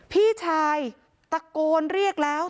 พี่ชายตะโกนเรียกแล้ว